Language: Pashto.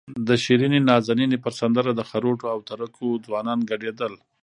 د شیرینې نازنینې پر سندره د خروټو او تره کیو ځوانان ګډېدل.